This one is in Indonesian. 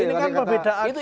ini kan pembedaan